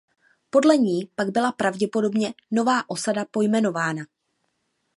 Podle ní pak byla pravděpodobně nová osada pojmenována.